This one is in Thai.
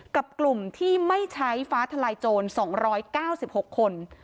กับกลุ่มที่ไม่ใช้ฟ้าทลายโจร๒๙๖คน